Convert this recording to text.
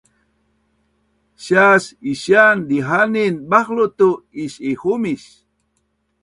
sias isian dihanin bahlu tu is-ihumis